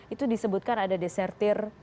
itu disebutkan ada desertir